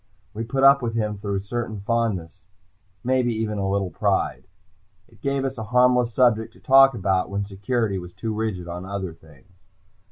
We put up with him through a certain fondness, maybe even a little pride. It gave us a harmless subject to talk about when security was too rigid on other things.